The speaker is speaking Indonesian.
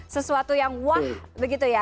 sesuatu yang wah begitu ya